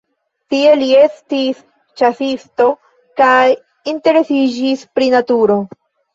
Tie li estis ĉasisto kaj interesiĝis pri naturo.